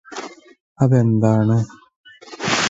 അതെന്താണ്